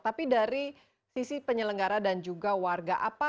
tapi dari sisi penyelenggara dan juga warga apa